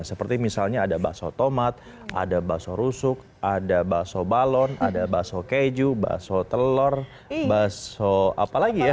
seperti misalnya ada bakso tomat ada bakso rusuk ada bakso balon ada bakso keju bakso telur bakso apalagi ya